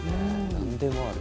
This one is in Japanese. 何でもある。